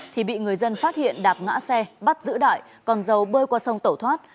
thì bị người dân phát hiện đạp ngã xe bắt giữ đại còn dầu bơi qua sông tẩu thoát